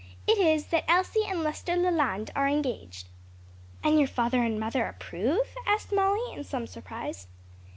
"It is that Elsie and Lester Leland are engaged." "And your father and mother approve?" asked Molly in some surprise.